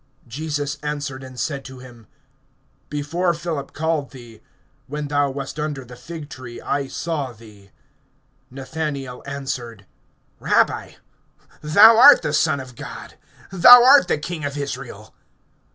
Jesus answered and said to him: Before Philip called thee, when thou wast under the fig tree, I saw thee. (49)Nathanael answered: Rabbi; thou art the Son of God, thou art the King of Israel.